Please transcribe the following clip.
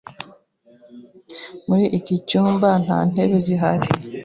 Muri iki cyumba nta ntebe zihari.